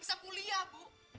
bisa kuliah bu